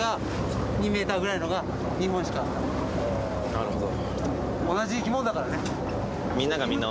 なるほど。